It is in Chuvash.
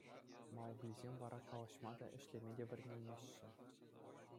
Мауглисем вара калаҫма та, ӗҫлеме те вӗренеймеҫҫӗ.